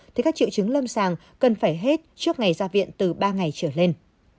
thì các triệu chứng lâm sàng cần phải hết trước ngày ra viện từ ba ngày trở lên